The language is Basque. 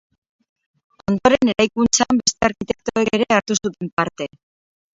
Ondoren eraikuntzan beste arkitektoek ere hartu zuten parte.